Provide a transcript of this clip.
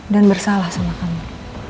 dan bersalah sama kamu